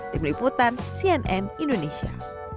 tim liputan cnn indonesia